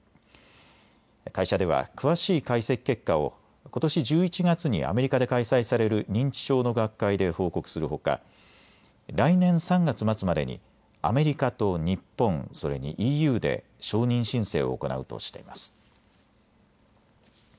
会社では詳しい解析結果をことし１１月にアメリカで開催される認知症の学会で報告するほか来年３月末までにアメリカと日本、それにＥＵで承認申請を行うとしています。